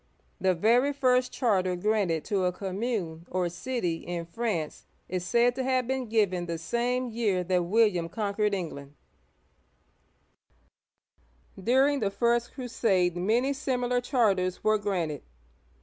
The very first charter granted to a " commune," or city, in France is said to have been given (to the city of Le Mans) the same year that William conquered Eng land (1066). During the first crusade many similar charters were granted.